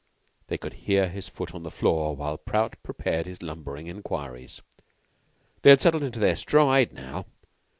They could hear his foot on the floor while Prout prepared his lumbering inquiries. They had settled into their stride now.